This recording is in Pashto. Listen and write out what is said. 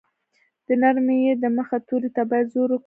د نرمې ی د مخه توري ته باید زور ورکړو.